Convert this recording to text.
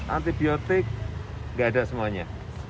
antibiotik gak ada semuanya